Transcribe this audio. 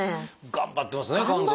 頑張ってますね肝臓。